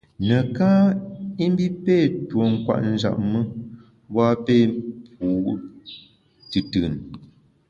Neká i mbi pé tuo kwet njap me, mbu a pé pu tùtùn.